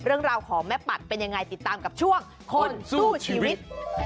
เรื่องราวของแม่ปัดเป็นยังไงติดตามกับช่วงคนสู้ชีวิต